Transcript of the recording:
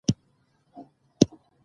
تاریخ د افغانانو ژوند اغېزمن کوي.